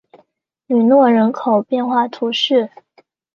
吕诺人口变化图示